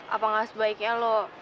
apa enggak sebaiknya lo